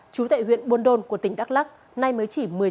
chú tệ huyện buôn đôn của tỉnh đắk lắc nay mới chỉ một mươi sáu tuổi